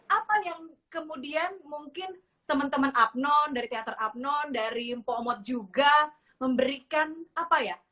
apa yang kemudian mungkin teman teman apnon dari teater abnon dari mpo amot juga memberikan apa ya